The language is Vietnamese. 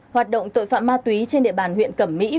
hoạt động tội phạm ma túy trên địa bàn huyện cẩm mỹ